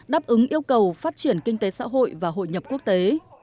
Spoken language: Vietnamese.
đáp ứng yêu cầu phát triển kinh tế xã hội và hội nhập quốc tế